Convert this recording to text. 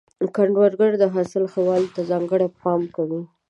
کروندګر د حاصل ښه والي ته ځانګړی پام کوي